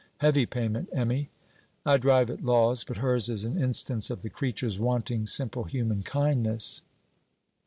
Heavy payment, Emmy! I drive at laws, but hers is an instance of the creatures wanting simple human kindness.'